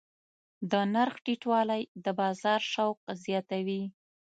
د نرخ ټیټوالی د بازار شوق زیاتوي.